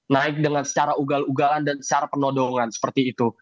naik dengan secara ugal ugalan dan secara penodongan seperti itu